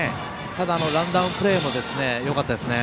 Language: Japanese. ただ、ランダウンプレーもよかったですね。